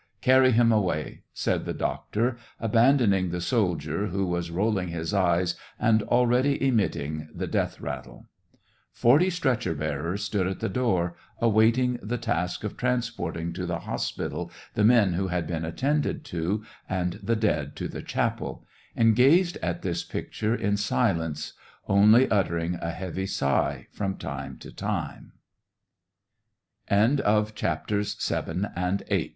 Carry him away," said the doctor, abandoning the soldier, who was rolling his eyes, and already emitting the death rattle. Forty stretcher bearers stood at the door, awaiting the task of transporting to the hospital the men who had been attended to, and the dead to the chapel, and gazed at this picture in silence, only uttering a heavy sigh from time to